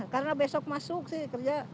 karena besok masuk sih kerja